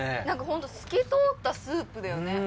なんか本当透き通ったスープだよね。